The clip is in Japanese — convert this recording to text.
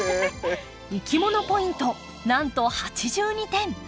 いきものポイントなんと８２点！